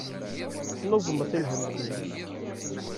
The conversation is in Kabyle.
Neẓmet i lhem-nwen.